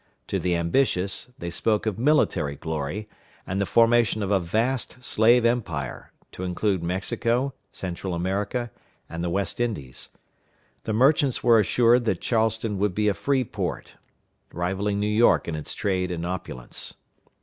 To the ambitious, they spoke of military glory, and the formation of a vast slave empire, to include Mexico, Central America, and the West Indies. The merchants were assured that Charleston would be a free port, rivaling New York in its trade and opulence.